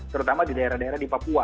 terutama di daerah daerah di papua